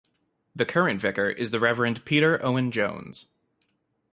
The current vicar is the Reverend Peter Owen-Jones.